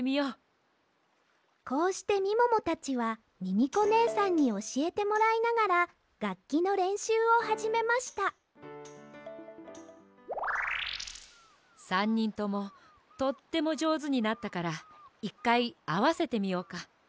こうしてみももたちはミミコねえさんにおしえてもらいながらがっきのれんしゅうをはじめました３にんともとってもじょうずになったから１かいあわせてみようか。